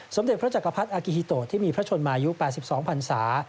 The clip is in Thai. สมเด็จพระจักรพรรดิอากิฮิโตที่มีพระชนมายุ๘๒พันศา